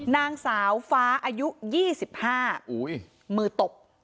นางสาวฟ้าอายุ๒๕มือตบ